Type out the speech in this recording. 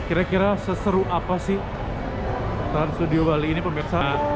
kira kira seseru apa sih trans studio bali ini pemirsa